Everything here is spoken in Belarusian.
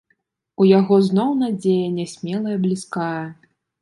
У яго зноў надзея нясмелая бліскае.